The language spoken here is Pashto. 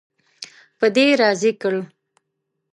په دې راضي کړ.